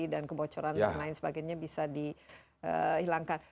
dan kebocoran dan lain sebagainya bisa dihilangkan